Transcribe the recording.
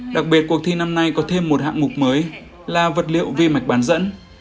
đặc biệt cuộc thi năm nay có thêm một hạng mục mới là vật liệu vi mạch bán dẫn